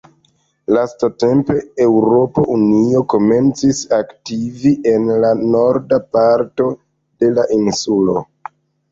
Lastatempe Eŭropa Unio komencis aktivi en la norda parto de la insulo.